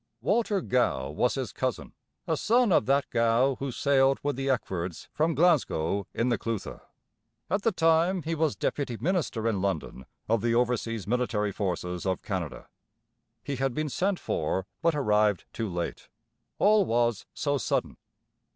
Walter Gow was his cousin, a son of that Gow who sailed with the Eckfords from Glasgow in the 'Clutha'. At the time he was Deputy Minister in London of the Overseas Military Forces of Canada. He had been sent for but arrived too late; all was so sudden.